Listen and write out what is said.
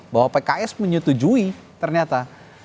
bahwa pks menyetujui ternyata